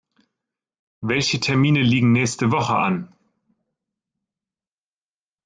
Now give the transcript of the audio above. Welche Termine liegen nächste Woche an?